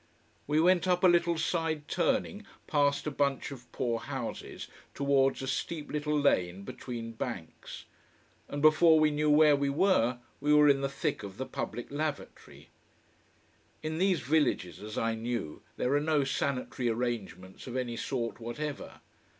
We went up a little side turning past a bunch of poor houses towards a steep little lane between banks. And before we knew where we were, we were in the thick of the public lavatory. In these villages, as I knew, there are no sanitary arrangements of any sort whatever.